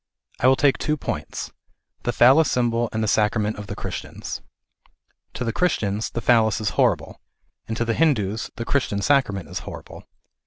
I .will take two points, the Phallas symbol and the sacrament of the Christians. To the Christians the Phallas is horrible, and to the Hindus the Christian sacrament is horrible.